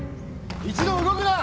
一同動くな！